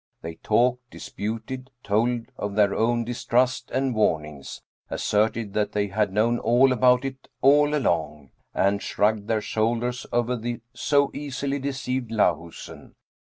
They talked, disputed, told of their own distrust and warnings, asserted that they 34 Dietrich Theden had known all about it all along, and shrugged their shoul ders over the so easily deceived Lahusen.